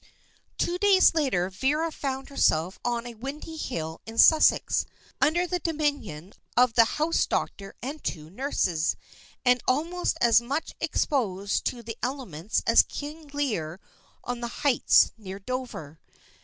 Two days later Vera found herself on a windy hill in Sussex, under the dominion of the house doctor and two nurses, and almost as much exposed to the elements as King Lear on the heights near Dover.